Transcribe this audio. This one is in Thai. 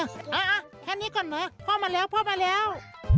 อ่ะแค่นี้ก่อนเหรอพ่อมาแล้วพ่อมาแล้ว